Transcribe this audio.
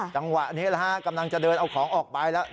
จังหวะนี้กำลังจะเดินเอาของออกไปแล้ว